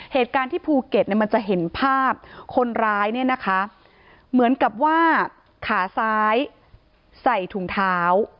เหตุการณ์ที่ภูเก็ตเนี่ยมันจะเห็นภาพคนร้ายเนี่ยนะคะเหมือนกับว่าขาซ้ายใส่ถุงเท้า